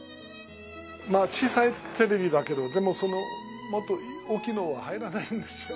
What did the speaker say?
小さいテレビだけどでもそのもっと大きいのは入らないんですよ。